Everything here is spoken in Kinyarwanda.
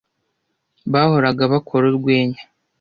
Bahoraga bakora urwenya.